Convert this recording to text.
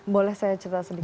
boleh saya cerita sedikit